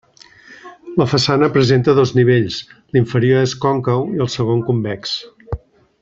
La façana presenta dos nivells, l'inferior és còncau i el segon convex.